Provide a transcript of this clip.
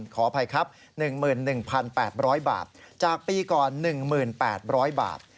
ขออภัยครับ๑๑๘๐๐บาทจากปีก่อน๑๘๐๐บาท